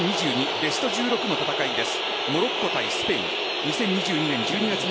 ベスト１６の戦いです。